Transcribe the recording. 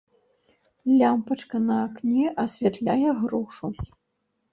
Лямпачка на акне асвятляе грушу.